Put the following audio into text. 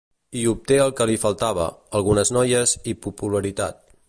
Hi obté el que li faltava: algunes noies i popularitat.